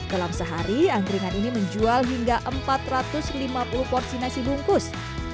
dalam sehari angkringan ini menjual hingga empat ratus lima puluh porsi nasi bungkus